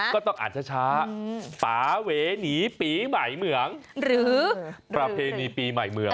ก็ต้องอ่านช้าป่าเวหนีปีใหม่เหมืองหรือประเพณีปีใหม่เมือง